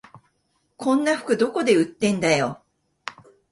こんな服どこで売ってんだよ